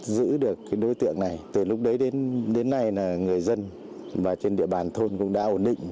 giữ được cái đối tượng này từ lúc đấy đến nay là người dân và trên địa bàn thôn cũng đã ổn định